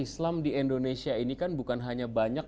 islam di indonesia ini kan bukan hanya banyak